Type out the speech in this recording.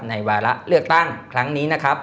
วาระเลือกตั้งครั้งนี้นะครับ